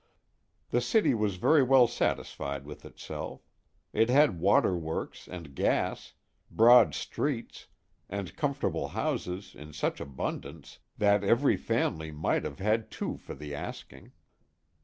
The city was very well satisfied with itself. It had water works and gas, broad streets, and comfortable houses in such abundance that every family might have had two for the asking.